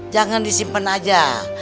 jangan disimpen aja